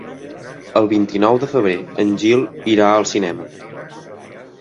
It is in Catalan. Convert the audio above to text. El vint-i-nou de febrer en Gil irà al cinema.